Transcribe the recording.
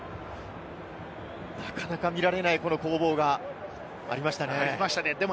なかなか見られない攻防がありましたね。